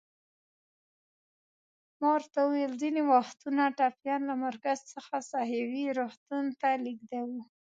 ما ورته وویل: ځینې وختونه ټپیان له مرکز څخه ساحوي روغتون ته لېږدوو.